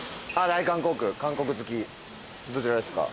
大韓航空韓国好きどちらですか？